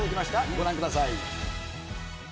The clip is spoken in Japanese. ご覧ください。